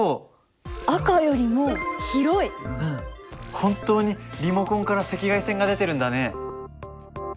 本当にリモコンから赤外線が出てるんだね。